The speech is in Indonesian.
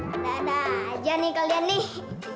udah ada aja nih kalian nih